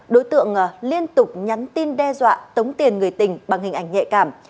đối tượng liên tục nhắn tin đe dọa tống tiền người tình bằng hình ảnh nhạy cảm